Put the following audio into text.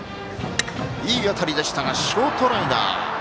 いい当たりでしたがショートライナー。